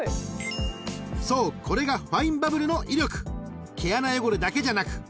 ［そうこれがファインバブルの威力］